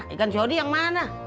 ikan siodi yang mana